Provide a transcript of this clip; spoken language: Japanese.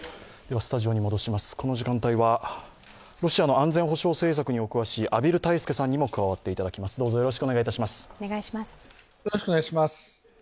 この時間帯は、ロシアの安全保障政策にお詳しい畔蒜泰助さんにも加わっていただきます。